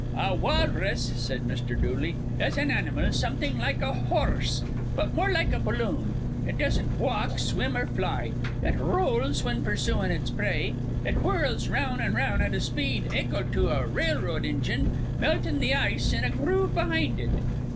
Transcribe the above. "A walrus," said Mr. Dooley, "is an animal something like a hor rse, but more like a balloon. It doesn't walk, swim, or fly. It rowls whin pur suin' its prey. It whirls 'round an' 'round at a speed akel to a railroad injine, meltin' th' ice in a groove behind it.